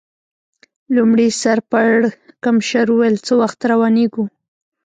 لومړي سر پړکمشر وویل: څه وخت روانېږو؟